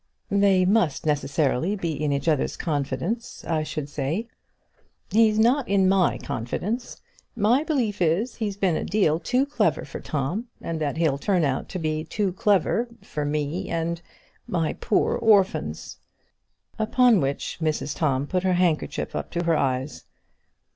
"They must necessarily be in each other's confidence, I should say." "He's not in my confidence. My belief is he's been a deal too clever for Tom; and that he'll turn out to be too clever for me, and my poor orphans." Upon which Mrs Tom put her handkerchief up to her eyes.